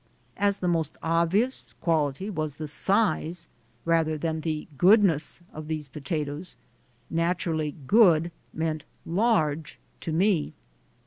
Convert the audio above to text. As the most obvious quality was the size, rather than the goodness, of these potatoes, naturally "good" meant "large" to me.